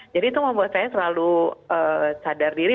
jadi itu membuat saya selalu sadar diri